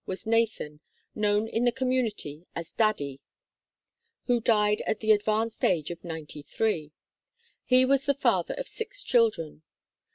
was Nathan, known in the community as "Daddy" (see Chart III), 1 who died at the advanced age of ninety three. He was the father of six children.